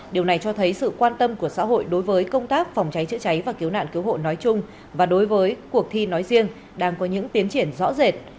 điều này cho thấy sự quan tâm của xã hội đối với công tác phòng cháy chữa cháy và cứu nạn cứu hộ nói chung và đối với cuộc thi nói riêng đang có những tiến triển rõ rệt